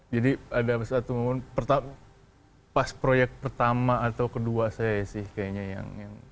jadi ada satu momen pas proyek pertama atau kedua saya sih kayaknya yang